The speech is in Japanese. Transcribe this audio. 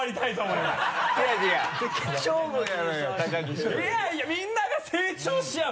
いやいやみんなが成長しあう。